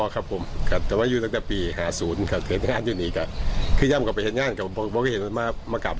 จำว่าอยู่วัดบ้านตาดนึงเหรอคะ